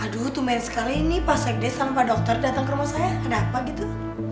aduh tumen sekali ini pasek deh sama pak dokter datang ke rumah saya ada apa gitu